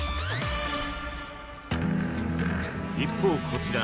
一方こちら。